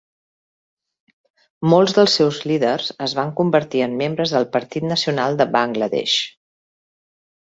Molts dels seus líders es van convertir en membres del partit nacional de Bangladesh.